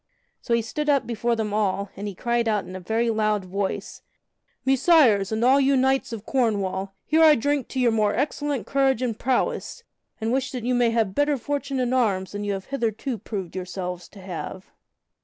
So he stood up before them all, and he cried in a very loud voice: "Messires, and all you knights of Cornwall, here I drink to your more excellent courage and prowess, and wish that you may have better fortune in arms than you have heretofore proved yourselves to have?"